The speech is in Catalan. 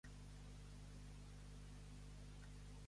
En quin cas estarien a favor els valencianistes?